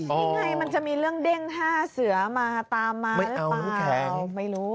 นี่ไงมันจะมีเรื่องเด้ง๕เสือมาตามมาหรือเปล่าไม่รู้